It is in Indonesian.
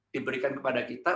diberikan kepada kita